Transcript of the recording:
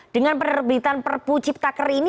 dengan penerbitan perpu cipta keri ini